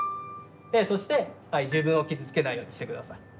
でそして自分を傷つけないようにして下さい。